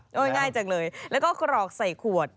โดยง่ายจังเลยแล้วก็กรอกใส่ขวด